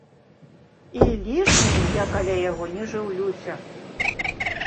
І лішне я каля яго не жыўлюся.